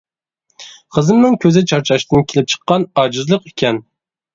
قىزىمنىڭ كۆزى چارچاشتىن كېلىپ چىققان ئاجىزلىق ئىكەن.